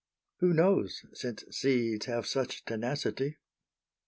Who knows, since seeds have such tenacity?